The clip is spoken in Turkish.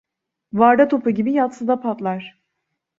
Varda topu gibi yatsıda patlar.